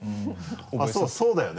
あっそうだよね。